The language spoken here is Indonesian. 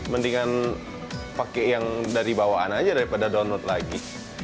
mendingan pakai yang dari bawaan aja daripada download lagi